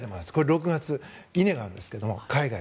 ６月、イネがあるんです海外。